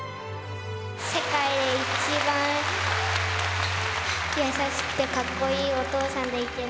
世界で一番優しくてかっこいいお父さんでいてね。